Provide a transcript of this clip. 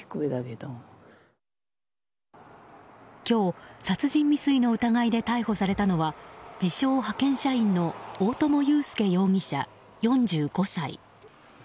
今日、殺人未遂の疑いで逮捕されたのは自称派遣社員の大友祐介容疑者、４５歳。